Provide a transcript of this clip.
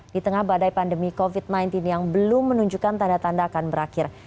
di tengah badai pandemi covid sembilan belas yang belum menunjukkan tanda tanda akan berakhir